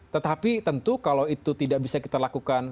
tetapi tentu kalau itu tidak bisa kita lakukan